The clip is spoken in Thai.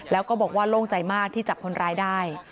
แล้วก็บอกว่าโล่งใจมากที่จับคนร้ายได้